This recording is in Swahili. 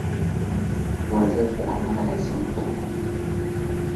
kwani wanamuziki wengi huamasisha mambo mengi katika jamii